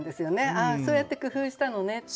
ああそうやって工夫したのねって。